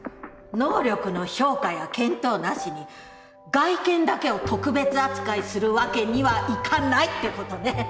能力の評価や検討なしに外見だけを特別扱いするわけにはいかないってことね。